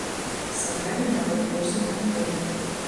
Сабралі нават больш за неабходнае.